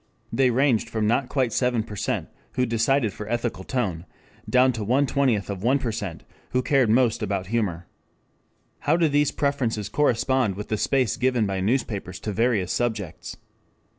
They ranged from not quite seven who decided for ethical tone, down to one twentieth of one percent who cared most about humor. How do these preferences correspond with the space given by newspapers to various subjects?